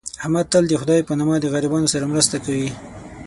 احمد تل دخدی په نامه د غریبانو سره مرسته کوي.